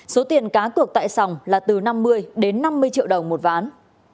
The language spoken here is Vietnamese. số tiền cá cược tại sòng là từ năm mươi đến năm mươi triệu đồng một ván